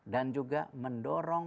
dan juga mendorong